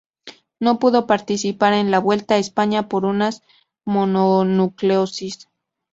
No pudo participar en la Vuelta a España por una mononucleosis.